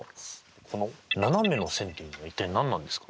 この斜めの線っていうのは一体何なんですかね？